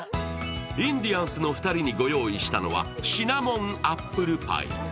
インディアンスの２人にご用意したのはシナモンアップルパイ。